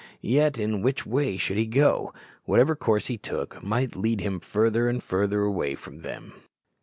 Yet in which way should he go? Whatever course he took might lead him farther and farther away from them.